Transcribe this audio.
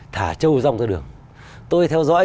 thả châu rong ra đường tôi theo dõi